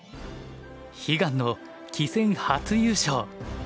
悲願の棋戦初優勝。